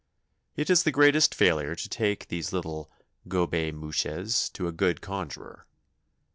It is the greatest failure to take these little gobe mouches to a good conjurer.